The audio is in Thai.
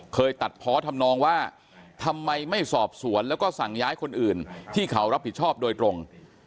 ตัดเพาะทำนองว่าทำไมไม่สอบสวนแล้วก็สั่งย้ายคนอื่นที่เขารับผิดชอบโดยตรง